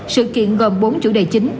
sự kiện gồm bốn chủ đề chính